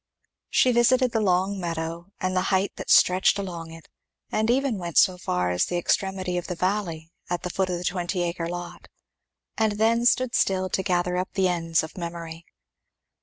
She visited the long meadow and the height that stretched along it, and even went so far as the extremity of the valley, at the foot of the twenty acre lot, and then stood still to gather up the ends of memory.